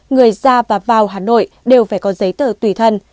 người ra và vào hà nội đều phải có giấy tờ tùy thân